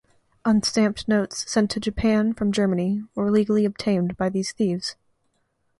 Unstamped notes sent to Japan from Germany were legally obtained by these thieves.